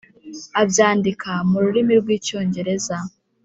Abyandika mu rurimi rw’icyongereza